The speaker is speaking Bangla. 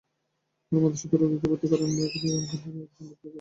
কোনো মাদকাসক্ত রোগীকে ভর্তি করানোর আগে নিরাময়কেন্দ্র সম্পর্কে খোঁজখবর নিতে হবে।